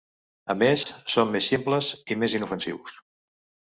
A més, som més ximples i més inofensius.